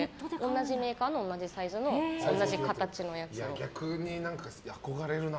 同じメーカーの同じサイズの逆に憧れるな。